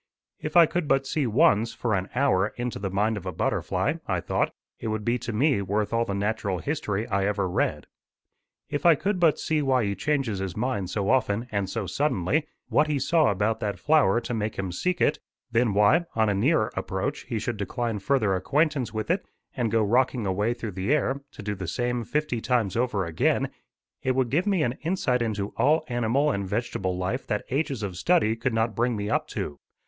"If I could but see once, for an hour, into the mind of a butterfly," I thought, "it would be to me worth all the natural history I ever read. If I could but see why he changes his mind so often and so suddenly what he saw about that flower to make him seek it then why, on a nearer approach, he should decline further acquaintance with it, and go rocking away through the air, to do the same fifty times over again it would give me an insight into all animal and vegetable life that ages of study could not bring me up to."